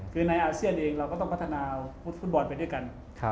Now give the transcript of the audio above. คือในอาเซียนเองเราก็ต้องพัฒนาฟุตบอลไปด้วยกัน